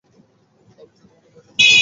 তাহলে যুদ্ধ মোকাবেলার জন্য প্রস্তুত হও।